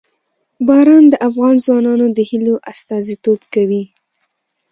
باران د افغان ځوانانو د هیلو استازیتوب کوي.